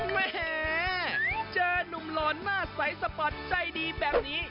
แหมเจอนุ่มหล่อนหน้าใสสปอร์ตใจดีแบบนี้